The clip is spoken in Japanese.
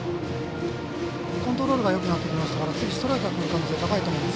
コントロールがよくなってきましたから次はストレートくる可能性高いと思います。